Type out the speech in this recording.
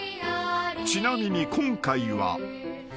［ちなみに今回は］